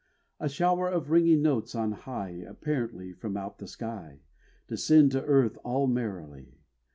A shower of ringing notes on high Apparently from out the sky, Descend to earth all merrily.